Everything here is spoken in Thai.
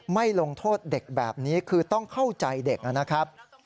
ไม่ลงโทษเด็กแบบนี้คือต้องเข้าใจเด็กนะครับ